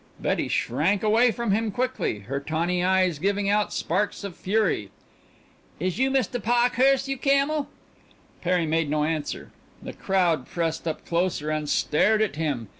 Betty shrank away from him quickly, her tawny eyes giving out sparks of fury. "Is you Mistah Pa'khurst, you camel?" Perry made no answer. The crowd pressed up closer and stared at him.